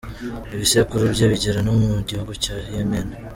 Ibisekuru bye bigera no mu gihugu cya Yemen.